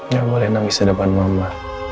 gak boleh nangis hadapan mama